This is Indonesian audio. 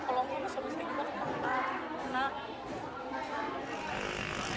kalau enggak suami saya juga sempat